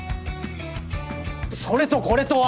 それとこれとは！